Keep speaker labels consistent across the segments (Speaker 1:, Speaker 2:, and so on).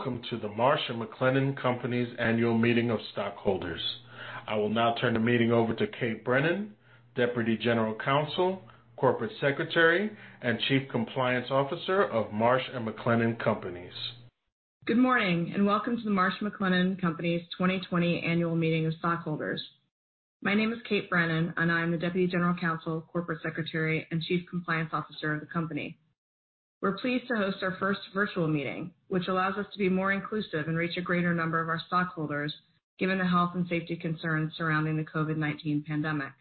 Speaker 1: Welcome to the Marsh & McLennan Companies annual meeting of stockholders. I will now turn the meeting over to Kate Brennan, Deputy General Counsel, Corporate Secretary, and Chief Compliance Officer of Marsh & McLennan Companies.
Speaker 2: Good morning and welcome to the Marsh & McLennan Companies 2020 annual meeting of stockholders. My name is Kate Brennan, and I am the Deputy General Counsel, Corporate Secretary, and Chief Compliance Officer of the company. We're pleased to host our first virtual meeting, which allows us to be more inclusive and reach a greater number of our stockholders, given the health and safety concerns surrounding the COVID-19 pandemic.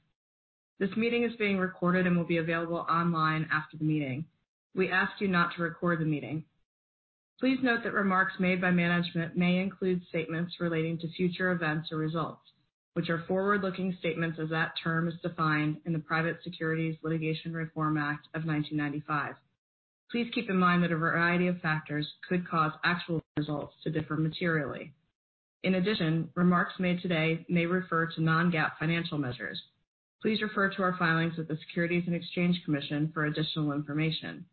Speaker 2: This meeting is being recorded and will be available online after the meeting. We ask you not to record the meeting. Please note that remarks made by management may include statements relating to future events or results, which are forward-looking statements as that term is defined in the Private Securities Litigation Reform Act of 1995. Please keep in mind that a variety of factors could cause actual results to differ materially. In addition, remarks made today may refer to non-GAAP financial measures. Please refer to our filings with the Securities and Exchange Commission for additional information.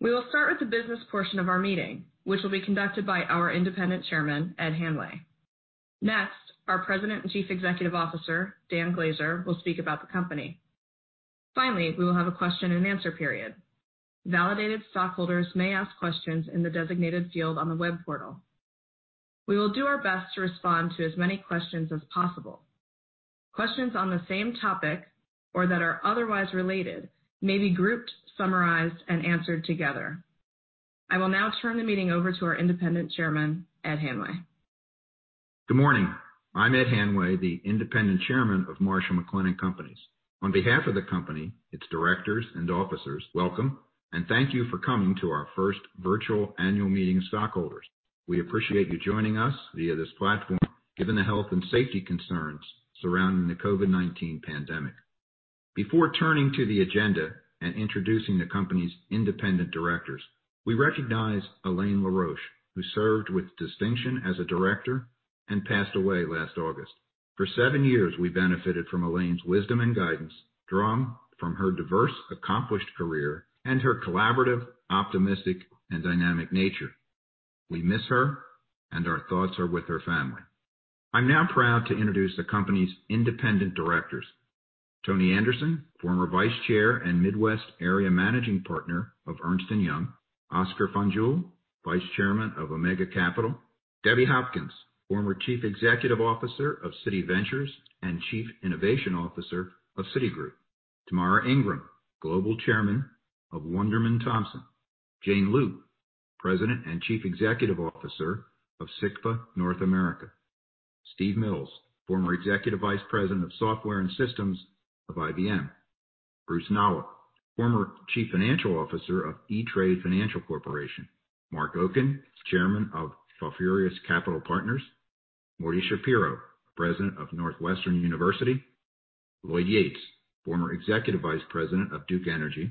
Speaker 2: We will start with the business portion of our meeting, which will be conducted by our independent Chairman, Ed Hanway. Next, our President and Chief Executive Officer, Dan Glaser, will speak about the company. Finally, we will have a question and answer period. Validated stockholders may ask questions in the designated field on the web portal. We will do our best to respond to as many questions as possible. Questions on the same topic or that are otherwise related may be grouped, summarized, and answered together. I will now turn the meeting over to our independent Chairman, Ed Hanway.
Speaker 3: Good morning. I'm Ed Hanway, the independent Chairman of Marsh & McLennan Companies. On behalf of the company, its directors and officers, welcome and thank you for coming to our first virtual annual meeting of stockholders. We appreciate you joining us via this platform, given the health and safety concerns surrounding the COVID-19 pandemic. Before turning to the agenda and introducing the company's independent directors, we recognize Elaine LaRoche, who served with distinction as a director and passed away last August. For seven years, we benefited from Elaine's wisdom and guidance, drawn from her diverse, accomplished career and her collaborative, optimistic, and dynamic nature. We miss her, and our thoughts are with her family. I'm now proud to introduce the company's independent directors: Tony Anderson, former Vice Chair and Midwest Area Managing Partner of Ernst & Young; Oscar Fanjul, Vice Chairman of Omega Capital; Debbie Hopkins, former Chief Executive Officer of Citi Ventures and Chief Innovation Officer of Citigroup; Tamara Ingram, Global Chairman of Wunderman Thompson; Jane Lute, President and Chief Executive Officer of SICPA North America; Steve Mills, former Executive Vice President of Software and Systems of IBM; Bruce P. Nolop, former Chief Financial Officer of E-Trade Financial Corporation; Mark Oken, Chairman of Falfurrias Capital Partners; Morty Schapiro, President of Northwestern University; Lloyd Yates, former Executive Vice President of Duke Energy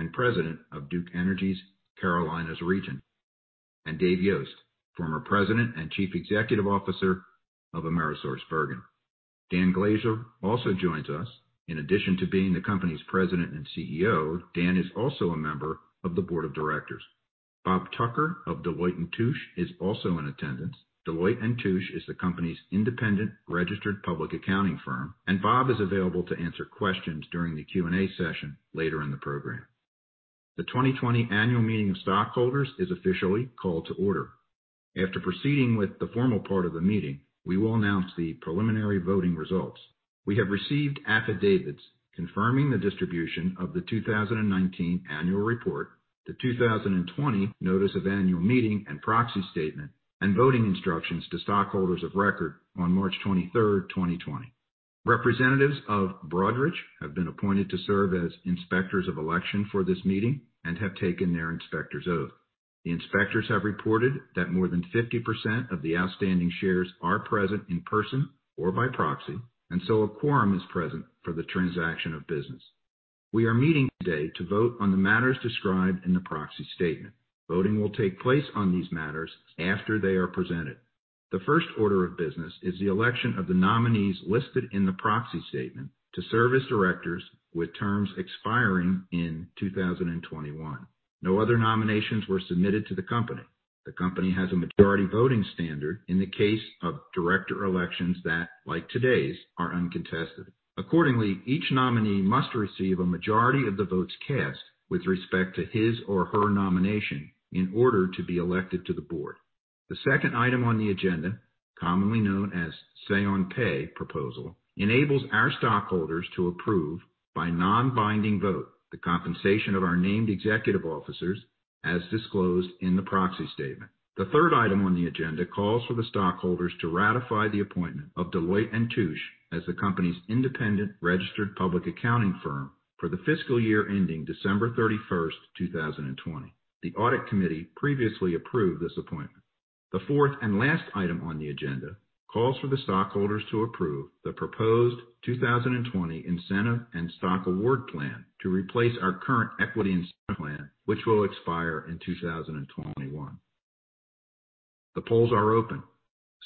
Speaker 3: and President of Duke Energy's Carolinas Region; and Dave Yost, former President and Chief Executive Officer of AmerisourceBergen. Dan Glaser also joins us. In addition to being the company's President and CEO, Dan is also a member of the Board of Directors. Bob Tucker of Deloitte & Touche is also in attendance. Deloitte & Touche is the company's independent registered public accounting firm, and Bob is available to answer questions during the Q&A session later in the program. The 2020 annual meeting of stockholders is officially called to order. After proceeding with the formal part of the meeting, we will announce the preliminary voting results. We have received affidavits confirming the distribution of the 2019 annual report, the 2020 notice of annual meeting and proxy statement, and voting instructions to stockholders of record on March 23, 2020. Representatives of Broadridge have been appointed to serve as inspectors of election for this meeting and have taken their inspector's oath. The inspectors have reported that more than 50% of the outstanding shares are present in person or by proxy, and so a quorum is present for the transaction of business. We are meeting today to vote on the matters described in the proxy statement. Voting will take place on these matters after they are presented. The first order of business is the election of the nominees listed in the proxy statement to serve as directors with terms expiring in 2021. No other nominations were submitted to the company. The company has a majority voting standard in the case of director elections that, like today's, are uncontested. Accordingly, each nominee must receive a majority of the votes cast with respect to his or her nomination in order to be elected to the board. The second item on the agenda, commonly known as the Say On Pay proposal, enables our stockholders to approve, by non-binding vote, the compensation of our named executive officers as disclosed in the proxy statement. The third item on the agenda calls for the stockholders to ratify the appointment of Deloitte & Touche as the company's independent registered public accounting firm for the fiscal year ending December 31, 2020. The audit committee previously approved this appointment. The fourth and last item on the agenda calls for the stockholders to approve the proposed 2020 Incentive and Stock Award Plan to replace our current equity incentive plan, which will expire in 2021. The polls are open.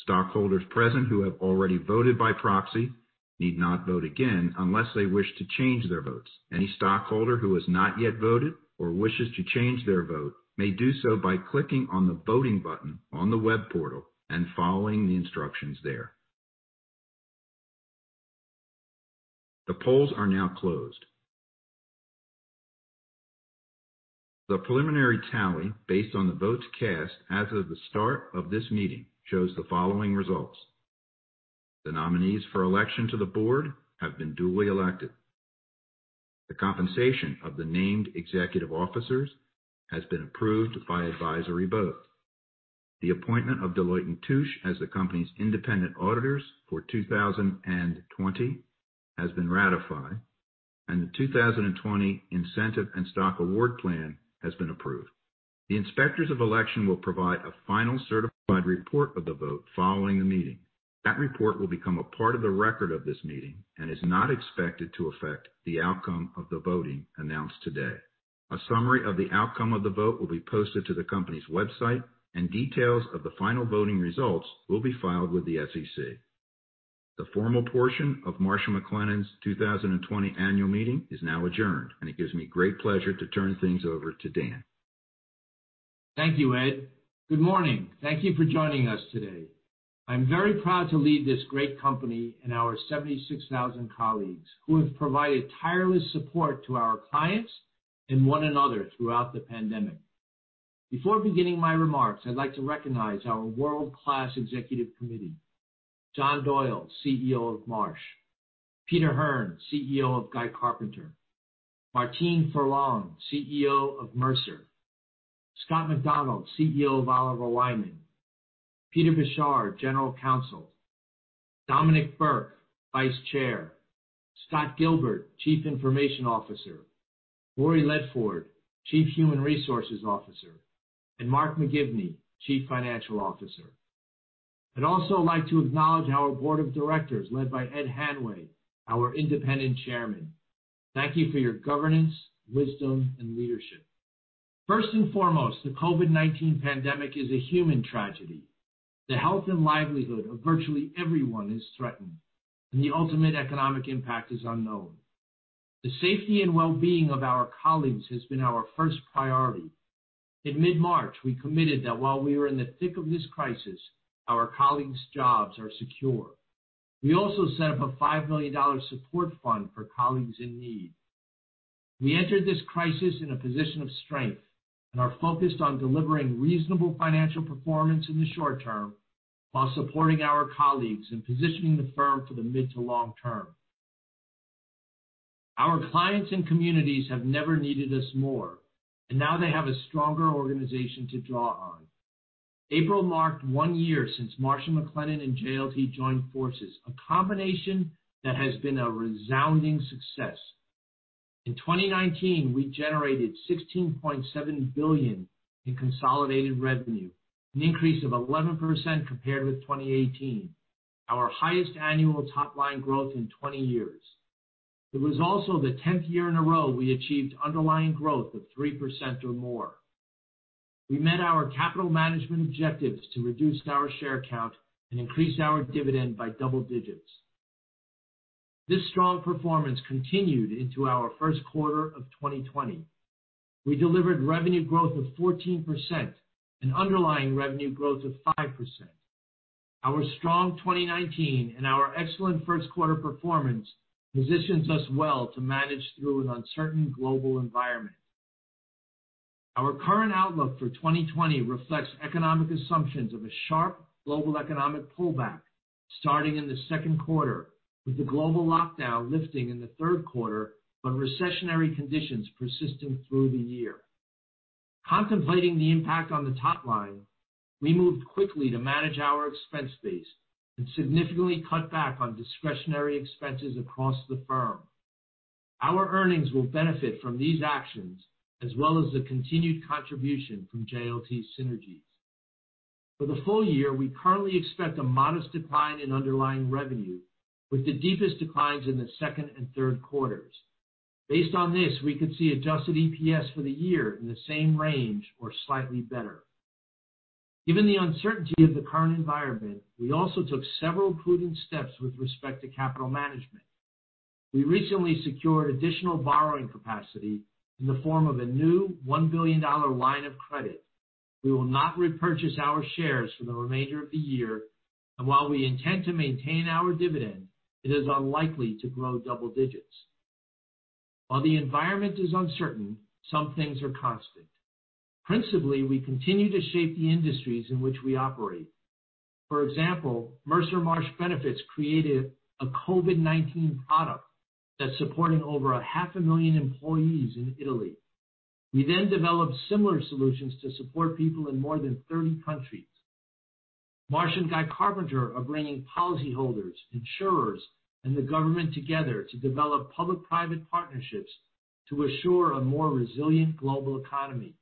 Speaker 3: Stockholders present who have already voted by proxy need not vote again unless they wish to change their votes. Any stockholder who has not yet voted or wishes to change their vote may do so by clicking on the voting button on the web portal and following the instructions there. The polls are now closed. The preliminary tally based on the votes cast as of the start of this meeting shows the following results. The nominees for election to the board have been duly elected. The compensation of the named executive officers has been approved by advisory vote. The appointment of Deloitte & Touche as the company's independent auditors for 2020 has been ratified, and the 2020 Incentive and Stock Award Plan has been approved. The inspectors of election will provide a final certified report of the vote following the meeting. That report will become a part of the record of this meeting and is not expected to affect the outcome of the voting announced today. A summary of the outcome of the vote will be posted to the company's website, and details of the final voting results will be filed with the SEC. The formal portion of Marsh & McLennan Companies' 2020 annual meeting is now adjourned, and it gives me great pleasure to turn things over to Dan.
Speaker 4: Thank you, Ed. Good morning. Thank you for joining us today. I'm very proud to lead this great company and our 76,000 colleagues who have provided tireless support to our clients and one another throughout the pandemic. Before beginning my remarks, I'd like to recognize our world-class executive committee: John Doyle, CEO of Marsh; Peter Hearn, CEO of Guy Carpenter; Martine Ferland, CEO of Mercer; Scott McDonald, CEO of Oliver Wyman; Peter Beshar, General Counsel; Dominic Burke, Vice Chair; Scott Gilbert, Chief Information Officer; Laurie Ledford, Chief Human Resources Officer; and Mark McGivney, Chief Financial Officer. I'd also like to acknowledge our Board of Directors led by Ed Hanley, our independent chairman. Thank you for your governance, wisdom, and leadership. First and foremost, the COVID-19 pandemic is a human tragedy. The health and livelihood of virtually everyone is threatened, and the ultimate economic impact is unknown. The safety and well-being of our colleagues has been our first priority. In mid-March, we committed that while we were in the thick of this crisis, our colleagues' jobs are secure. We also set up a $5 million support fund for colleagues in need. We entered this crisis in a position of strength and are focused on delivering reasonable financial performance in the short term while supporting our colleagues and positioning the firm for the mid to long term. Our clients and communities have never needed us more, and now they have a stronger organization to draw on. April marked one year since Marsh & McLennan and JLT joined forces, a combination that has been a resounding success. In 2019, we generated $16.7 billion in consolidated revenue, an increase of 11% compared with 2018, our highest annual top-line growth in 20 years. It was also the 10th year in a row we achieved underlying growth of 3% or more. We met our capital management objectives to reduce our share count and increase our dividend by double digits. This strong performance continued into our first quarter of 2020. We delivered revenue growth of 14% and underlying revenue growth of 5%. Our strong 2019 and our excellent first quarter performance positions us well to manage through an uncertain global environment. Our current outlook for 2020 reflects economic assumptions of a sharp global economic pullback starting in the second quarter, with the global lockdown lifting in the third quarter, but recessionary conditions persisting through the year. Contemplating the impact on the top line, we moved quickly to manage our expense base and significantly cut back on discretionary expenses across the firm. Our earnings will benefit from these actions as well as the continued contribution from JLT Synergies. For the full year, we currently expect a modest decline in underlying revenue, with the deepest declines in the second and third quarters. Based on this, we could see adjusted EPS for the year in the same range or slightly better. Given the uncertainty of the current environment, we also took several prudent steps with respect to capital management. We recently secured additional borrowing capacity in the form of a new $1 billion line of credit. We will not repurchase our shares for the remainder of the year, and while we intend to maintain our dividend, it is unlikely to grow double digits. While the environment is uncertain, some things are constant. Principally, we continue to shape the industries in which we operate. For example, Mercer Marsh Benefits created a COVID-19 product that's supporting over 500,000 employees in Italy. We then developed similar solutions to support people in more than 30 countries. Marsh & Guy Carpenter are bringing policyholders, insurers, and the government together to develop public-private partnerships to assure a more resilient global economy.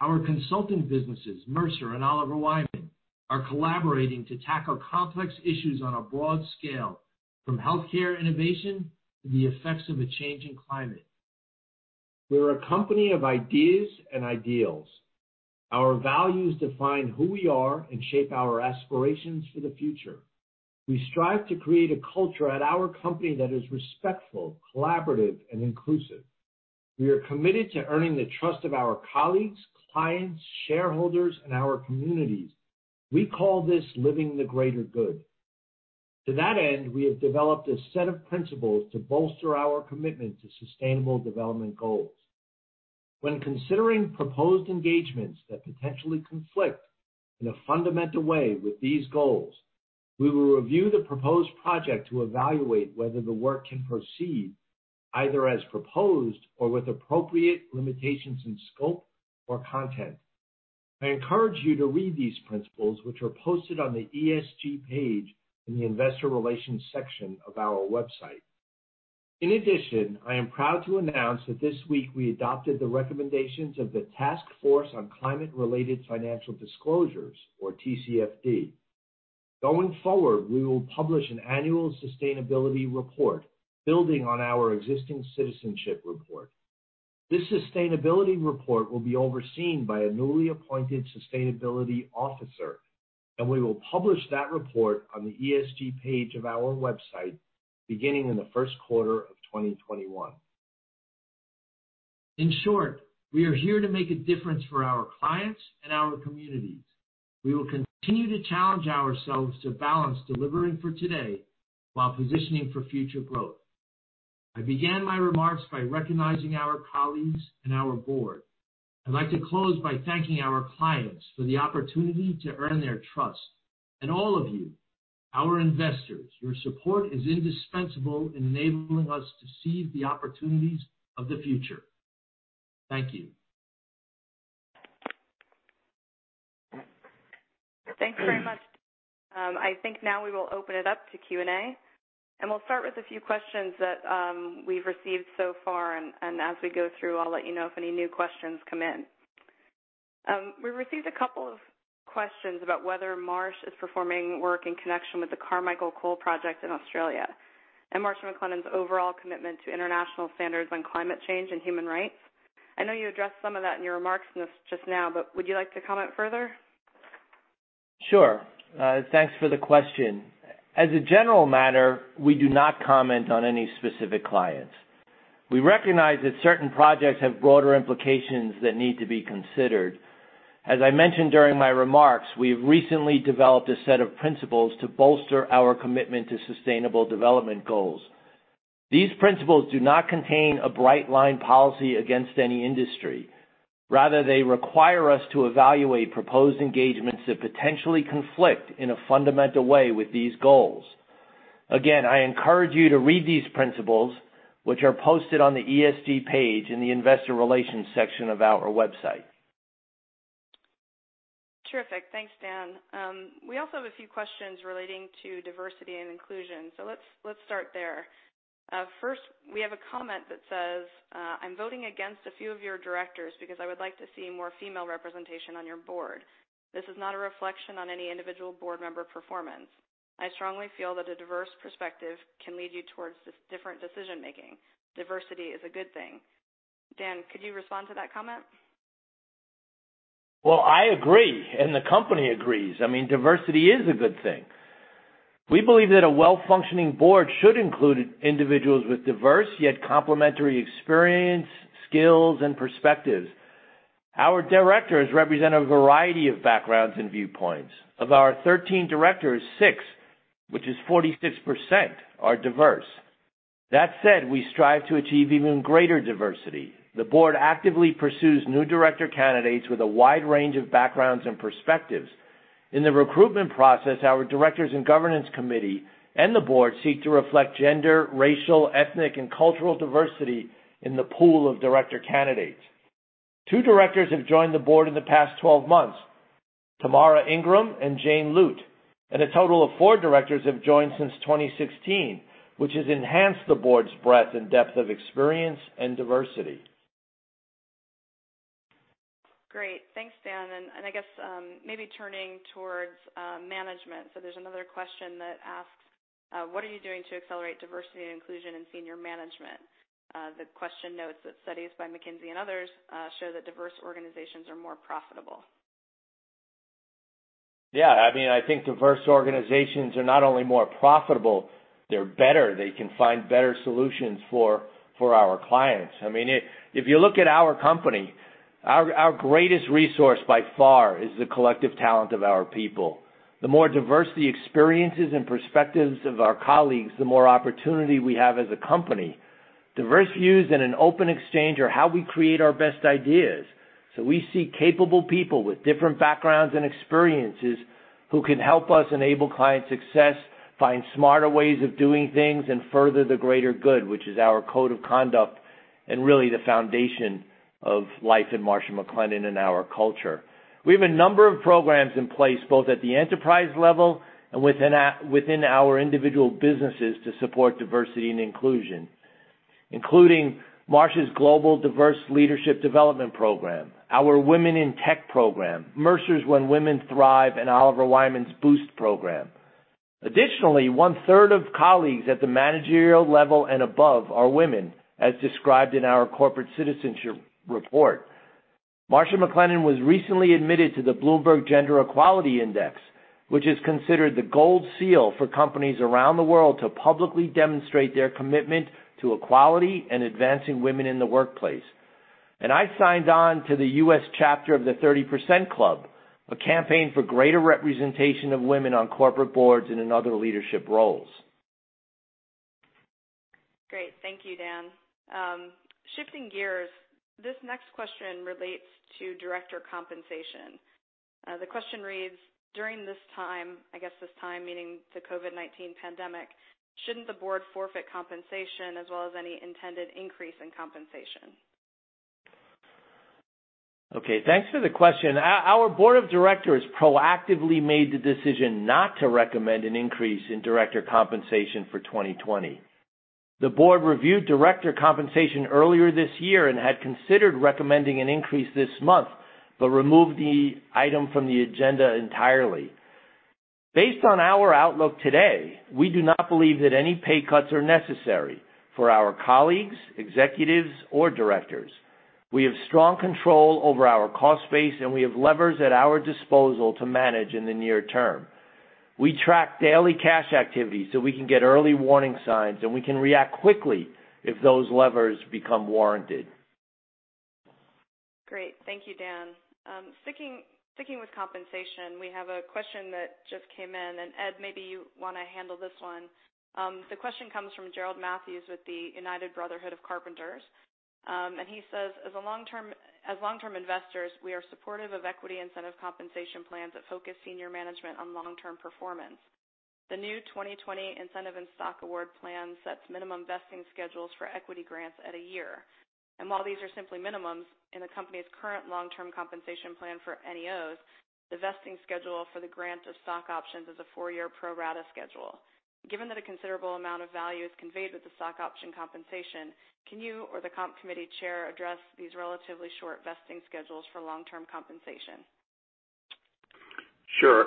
Speaker 4: Our consulting businesses, Mercer and Oliver Wyman, are collaborating to tackle complex issues on a broad scale, from healthcare innovation to the effects of a changing climate. We're a company of ideas and ideals. Our values define who we are and shape our aspirations for the future. We strive to create a culture at our company that is respectful, collaborative, and inclusive. We are committed to earning the trust of our colleagues, clients, shareholders, and our communities. We call this living the greater good. To that end, we have developed a set of principles to bolster our commitment to sustainable development goals. When considering proposed engagements that potentially conflict in a fundamental way with these goals, we will review the proposed project to evaluate whether the work can proceed either as proposed or with appropriate limitations in scope or content. I encourage you to read these principles, which are posted on the ESG page in the investor relations section of our website. In addition, I am proud to announce that this week we adopted the recommendations of the Task Force on Climate-Related Financial Disclosures, or TCFD. Going forward, we will publish an annual sustainability report building on our existing citizenship report. This sustainability report will be overseen by a newly appointed sustainability officer, and we will publish that report on the ESG page of our website beginning in the first quarter of 2021. In short, we are here to make a difference for our clients and our communities. We will continue to challenge ourselves to balance delivering for today while positioning for future growth. I began my remarks by recognizing our colleagues and our board. I would like to close by thanking our clients for the opportunity to earn their trust. All of you, our investors, your support is indispensable in enabling us to seize the opportunities of the future. Thank you.
Speaker 2: Thanks very much. I think now we will open it up to Q&A, and we'll start with a few questions that we've received so far, and as we go through, I'll let you know if any new questions come in. We received a couple of questions about whether Marsh is performing work in connection with the Carmichael Coal Project in Australia and Marsh & McLennan's overall commitment to international standards on climate change and human rights. I know you addressed some of that in your remarks just now, but would you like to comment further?
Speaker 4: Sure. Thanks for the question. As a general matter, we do not comment on any specific clients. We recognize that certain projects have broader implications that need to be considered. As I mentioned during my remarks, we have recently developed a set of principles to bolster our commitment to sustainable development goals. These principles do not contain a bright line policy against any industry. Rather, they require us to evaluate proposed engagements that potentially conflict in a fundamental way with these goals. Again, I encourage you to read these principles, which are posted on the ESG page in the investor relations section of our website.
Speaker 2: Terrific. Thanks, Dan. We also have a few questions relating to diversity and inclusion, so let's start there. First, we have a comment that says, "I'm voting against a few of your directors because I would like to see more female representation on your board. This is not a reflection on any individual board member performance. I strongly feel that a diverse perspective can lead you towards different decision-making. Diversity is a good thing." Dan, could you respond to that comment?
Speaker 4: I agree, and the company agrees. I mean, diversity is a good thing. We believe that a well-functioning board should include individuals with diverse yet complementary experience, skills, and perspectives. Our directors represent a variety of backgrounds and viewpoints. Of our 13 directors, 6, which is 46%, are diverse. That said, we strive to achieve even greater diversity. The board actively pursues new director candidates with a wide range of backgrounds and perspectives. In the recruitment process, our directors and governance committee and the board seek to reflect gender, racial, ethnic, and cultural diversity in the pool of director candidates. Two directors have joined the board in the past 12 months: Tamara Ingram and Jane Lute. A total of four directors have joined since 2016, which has enhanced the board's breadth and depth of experience and diversity.
Speaker 2: Great. Thanks, Dan. I guess maybe turning towards management. There is another question that asks, "What are you doing to accelerate diversity and inclusion in senior management?" The question notes that studies by McKinsey and others show that diverse organizations are more profitable.
Speaker 4: Yeah. I mean, I think diverse organizations are not only more profitable, they're better. They can find better solutions for our clients. I mean, if you look at our company, our greatest resource by far is the collective talent of our people. The more diverse the experiences and perspectives of our colleagues, the more opportunity we have as a company. Diverse views and an open exchange are how we create our best ideas. We see capable people with different backgrounds and experiences who can help us enable client success, find smarter ways of doing things, and further the greater good, which is our code of conduct and really the foundation of life at Marsh & McLennan and our culture. We have a number of programs in place both at the enterprise level and within our individual businesses to support diversity and inclusion, including Marsh's Global Diverse Leadership Development Program, our Women in Tech program, Mercer's When Women Thrive, and Oliver Wyman's Boost program. Additionally, one-third of colleagues at the managerial level and above are women, as described in our corporate citizenship report. Marsh & McLennan Companies was recently admitted to the Bloomberg Gender Equality Index, which is considered the gold seal for companies around the world to publicly demonstrate their commitment to equality and advancing women in the workplace. I signed on to the U.S. chapter of the 30% Club, a campaign for greater representation of women on corporate boards and in other leadership roles.
Speaker 2: Great. Thank you, Dan. Shifting gears, this next question relates to director compensation. The question reads, "During this time," I guess this time meaning the COVID-19 pandemic, "shouldn't the board forfeit compensation as well as any intended increase in compensation?
Speaker 4: Okay. Thanks for the question. Our board of directors proactively made the decision not to recommend an increase in director compensation for 2020. The board reviewed director compensation earlier this year and had considered recommending an increase this month, but removed the item from the agenda entirely. Based on our outlook today, we do not believe that any pay cuts are necessary for our colleagues, executives, or directors. We have strong control over our cost base, and we have levers at our disposal to manage in the near term. We track daily cash activity so we can get early warning signs, and we can react quickly if those levers become warranted.
Speaker 2: Great. Thank you, Dan. Sticking with compensation, we have a question that just came in, and Ed, maybe you want to handle this one. The question comes from Gerald Matthews with the United Brotherhood of Carpenters. He says, "As long-term investors, we are supportive of equity incentive compensation plans that focus senior management on long-term performance. The new 2020 Incentive and Stock Award Plan sets minimum vesting schedules for equity grants at a year. While these are simply minimums in the company's current long-term compensation plan for NEOs, the vesting schedule for the grant of stock options is a four-year pro rata schedule. Given that a considerable amount of value is conveyed with the stock option compensation, can you or the comp committee chair address these relatively short vesting schedules for long-term compensation?
Speaker 3: Sure.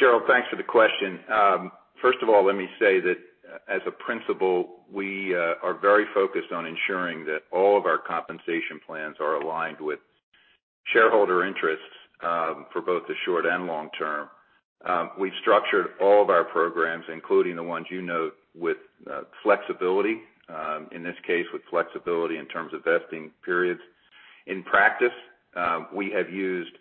Speaker 3: Gerald, thanks for the question. First of all, let me say that as a principal, we are very focused on ensuring that all of our compensation plans are aligned with shareholder interests for both the short and long term. We've structured all of our programs, including the ones you note, with flexibility, in this case with flexibility in terms of vesting periods. In practice, we have used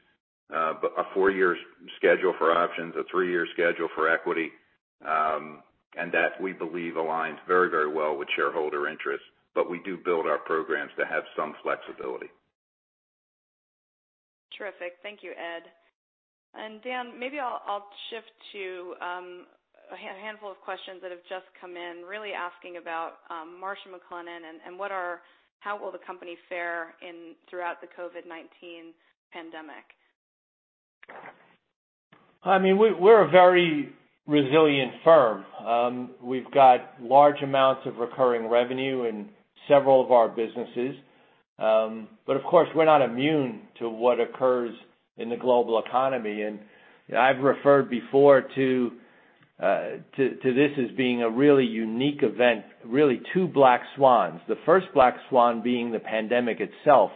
Speaker 3: a four-year schedule for options, a three-year schedule for equity, and that we believe aligns very, very well with shareholder interests. We do build our programs to have some flexibility.
Speaker 2: Terrific. Thank you, Ed. Dan, maybe I'll shift to a handful of questions that have just come in, really asking about Marsh & McLennan and how will the company fare throughout the COVID-19 pandemic?
Speaker 4: I mean, we're a very resilient firm. We've got large amounts of recurring revenue in several of our businesses. Of course, we're not immune to what occurs in the global economy. I've referred before to this as being a really unique event, really two black swans. The first black swan being the pandemic itself,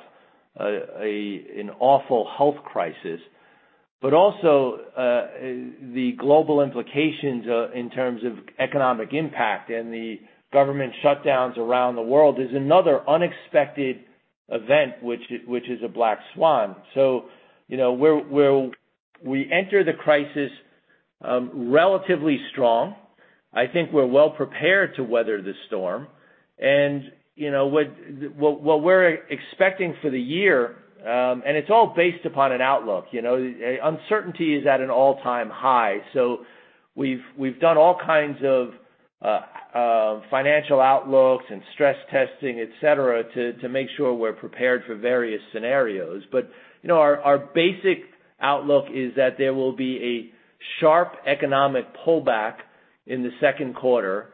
Speaker 4: an awful health crisis. Also, the global implications in terms of economic impact and the government shutdowns around the world is another unexpected event, which is a black swan. We enter the crisis relatively strong. I think we're well prepared to weather the storm. What we're expecting for the year, and it's all based upon an outlook, uncertainty is at an all-time high. We've done all kinds of financial outlooks and stress testing, etc., to make sure we're prepared for various scenarios. Our basic outlook is that there will be a sharp economic pullback in the second quarter,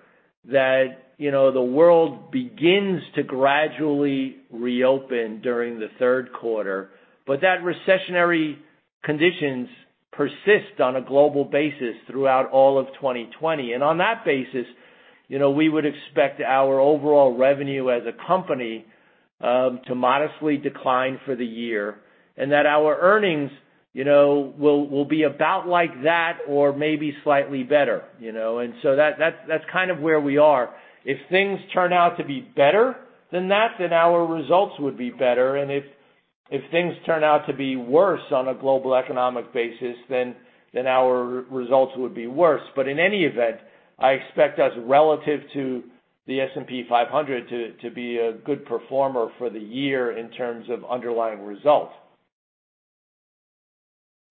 Speaker 4: that the world begins to gradually reopen during the third quarter, but that recessionary conditions persist on a global basis throughout all of 2020. On that basis, we would expect our overall revenue as a company to modestly decline for the year and that our earnings will be about like that or maybe slightly better. That is kind of where we are. If things turn out to be better than that, then our results would be better. If things turn out to be worse on a global economic basis, then our results would be worse. In any event, I expect us relative to the S&P 500 to be a good performer for the year in terms of underlying results.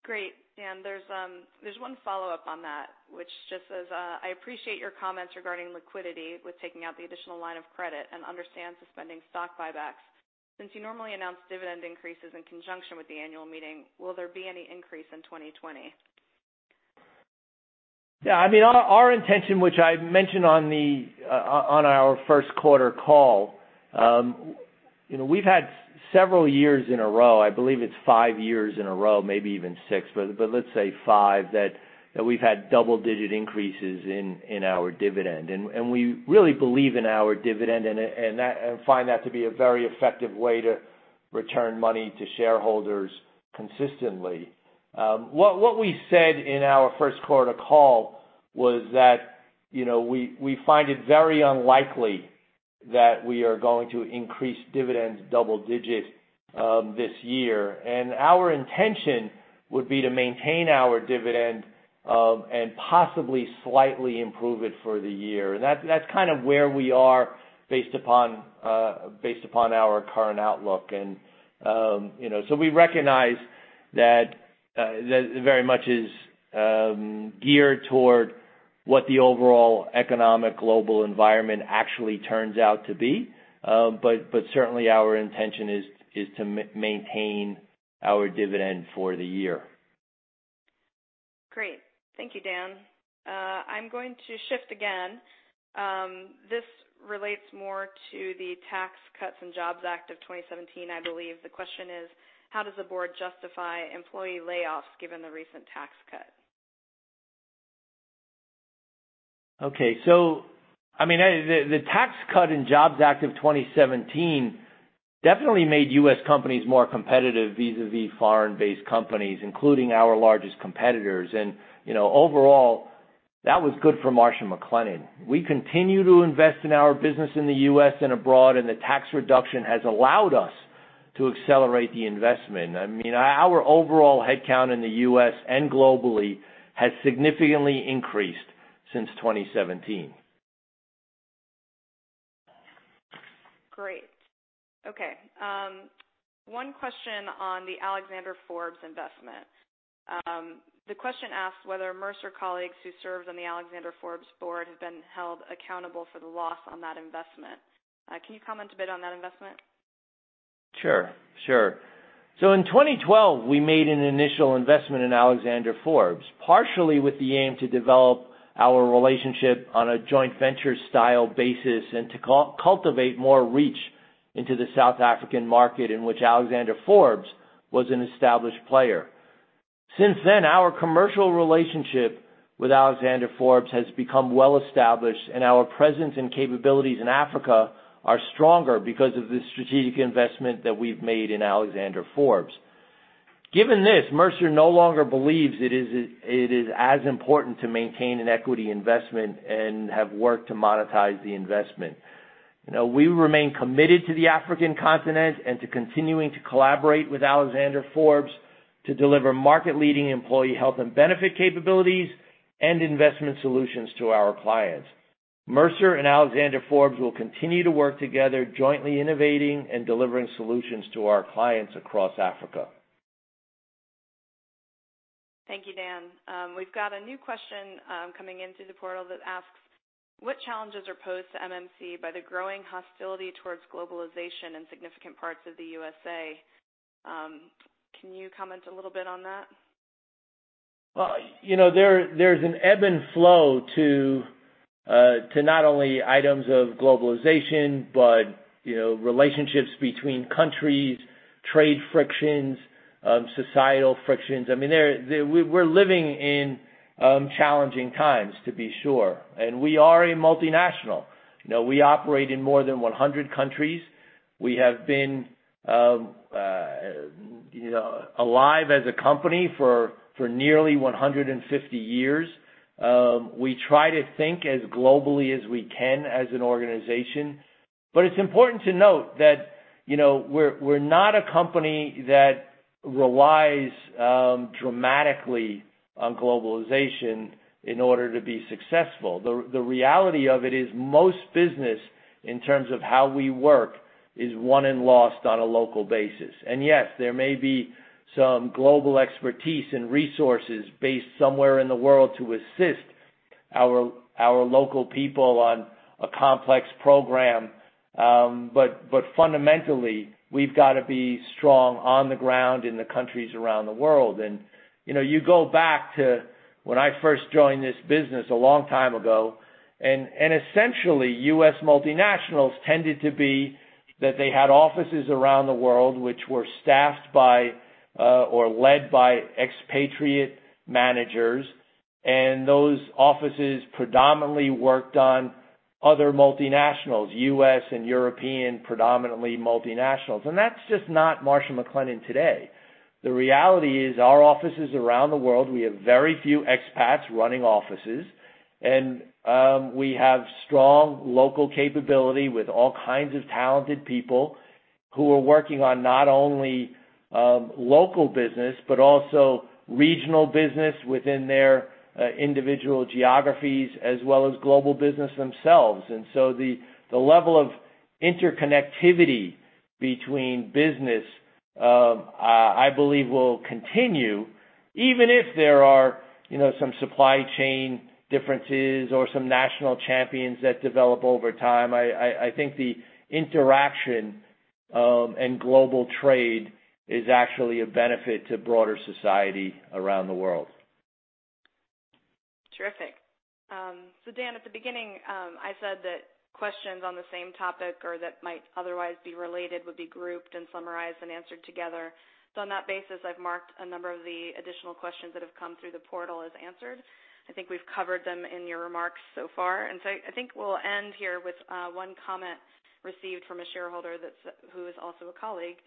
Speaker 2: Great. There is one follow-up on that, which just says, "I appreciate your comments regarding liquidity with taking out the additional line of credit and understand suspending stock buybacks. Since you normally announce dividend increases in conjunction with the annual meeting, will there be any increase in 2020?
Speaker 4: Yeah. I mean, our intention, which I mentioned on our first quarter call, we've had several years in a row, I believe it's five years in a row, maybe even six, but let's say five, that we've had double-digit increases in our dividend. We really believe in our dividend and find that to be a very effective way to return money to shareholders consistently. What we said in our first quarter call was that we find it very unlikely that we are going to increase dividends double-digit this year. Our intention would be to maintain our dividend and possibly slightly improve it for the year. That's kind of where we are based upon our current outlook. We recognize that very much is geared toward what the overall economic global environment actually turns out to be. Certainly, our intention is to maintain our dividend for the year.
Speaker 2: Great. Thank you, Dan. I'm going to shift again. This relates more to the Tax Cuts and Jobs Act of 2017, I believe. The question is, "How does the board justify employee layoffs given the recent tax cut?
Speaker 4: Okay. I mean, the Tax Cut and Jobs Act of 2017 definitely made U.S. companies more competitive vis-à-vis foreign-based companies, including our largest competitors. Overall, that was good for Marsh & McLennan. We continue to invest in our business in the U.S. and abroad, and the tax reduction has allowed us to accelerate the investment. I mean, our overall headcount in the U.S. and globally has significantly increased since 2017.
Speaker 2: Great. Okay. One question on the Alexander Forbes investment. The question asks whether Mercer colleagues who served on the Alexander Forbes board have been held accountable for the loss on that investment. Can you comment a bit on that investment?
Speaker 4: Sure. Sure. In 2012, we made an initial investment in Alexander Forbes, partially with the aim to develop our relationship on a joint venture style basis and to cultivate more reach into the South African market in which Alexander Forbes was an established player. Since then, our commercial relationship with Alexander Forbes has become well established, and our presence and capabilities in Africa are stronger because of the strategic investment that we've made in Alexander Forbes. Given this, Mercer no longer believes it is as important to maintain an equity investment and have worked to monetize the investment. We remain committed to the African continent and to continuing to collaborate with Alexander Forbes to deliver market-leading employee health and benefit capabilities and investment solutions to our clients. Mercer and Alexander Forbes will continue to work together, jointly innovating and delivering solutions to our clients across Africa.
Speaker 2: Thank you, Dan. We've got a new question coming in through the portal that asks, "What challenges are posed to MMC by the growing hostility towards globalization in significant parts of the U.S.?" Can you comment a little bit on that?
Speaker 4: There is an ebb and flow to not only items of globalization, but relationships between countries, trade frictions, societal frictions. I mean, we're living in challenging times, to be sure. We are a multinational. We operate in more than 100 countries. We have been alive as a company for nearly 150 years. We try to think as globally as we can as an organization. It is important to note that we're not a company that relies dramatically on globalization in order to be successful. The reality of it is most business, in terms of how we work, is won and lost on a local basis. Yes, there may be some global expertise and resources based somewhere in the world to assist our local people on a complex program. Fundamentally, we've got to be strong on the ground in the countries around the world. You go back to when I first joined this business a long time ago, and essentially, U.S. multinationals tended to be that they had offices around the world which were staffed by or led by expatriate managers. Those offices predominantly worked on other multinationals, U.S. and European predominantly multinationals. That is just not Marsh & McLennan today. The reality is our offices around the world, we have very few expats running offices. We have strong local capability with all kinds of talented people who are working on not only local business, but also regional business within their individual geographies, as well as global business themselves. The level of interconnectivity between business, I believe, will continue even if there are some supply chain differences or some national champions that develop over time. I think the interaction and global trade is actually a benefit to broader society around the world.
Speaker 2: Terrific. Dan, at the beginning, I said that questions on the same topic or that might otherwise be related would be grouped and summarized and answered together. On that basis, I've marked a number of the additional questions that have come through the portal as answered. I think we've covered them in your remarks so far. I think we'll end here with one comment received from a shareholder who is also a colleague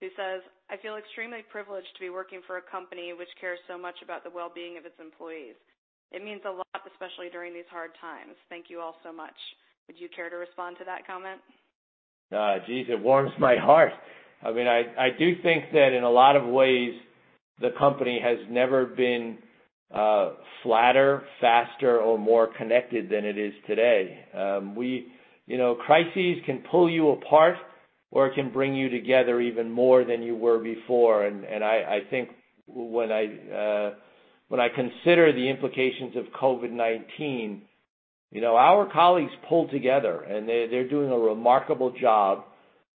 Speaker 2: who says, "I feel extremely privileged to be working for a company which cares so much about the well-being of its employees. It means a lot, especially during these hard times. Thank you all so much." Would you care to respond to that comment?
Speaker 4: Geez, it warms my heart. I mean, I do think that in a lot of ways, the company has never been flatter, faster, or more connected than it is today. Crises can pull you apart or it can bring you together even more than you were before. I think when I consider the implications of COVID-19, our colleagues pulled together and they're doing a remarkable job.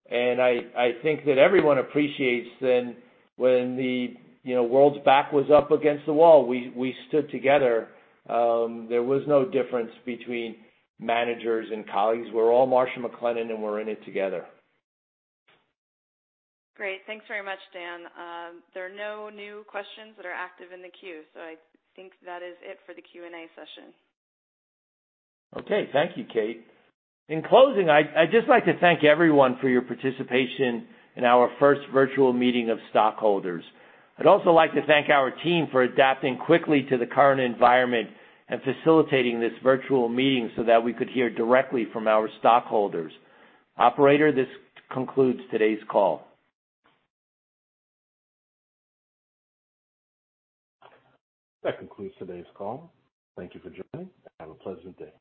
Speaker 4: I think that everyone appreciates when the world's back was up against the wall, we stood together. There was no difference between managers and colleagues. We're all Marsh & McLennan and we're in it together.
Speaker 2: Great. Thanks very much, Dan. There are no new questions that are active in the queue. I think that is it for the Q&A session.
Speaker 4: Okay. Thank you, Kate. In closing, I'd just like to thank everyone for your participation in our first virtual meeting of stockholders. I'd also like to thank our team for adapting quickly to the current environment and facilitating this virtual meeting so that we could hear directly from our stockholders. Operator, this concludes today's call.
Speaker 1: That concludes today's call. Thank you for joining. Have a pleasant day.